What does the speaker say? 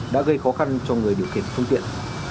đã gây khó khăn cho người điều khiển phương tiện